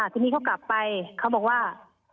ทีนี้เขากลับไปเขาบอกว่า